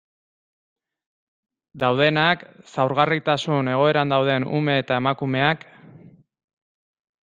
Daudenak, zaurgarritasun egoeran dauden ume eta emakumeak...